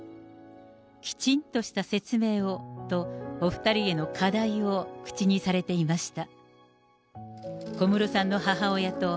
きちんとした説明をと、お２人への課題を口にされていました。